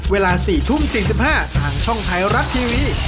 เวลา๔ทุ่ม๔๕ทางช่องไทยรัฐทีวี